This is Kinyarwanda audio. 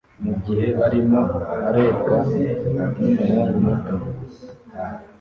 mugihe arimo arebwa numuhungu muto